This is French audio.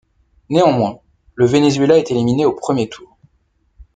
Néanmoins, le Venezuela est éliminé au premier tour.